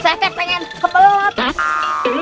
saya pengen kebelet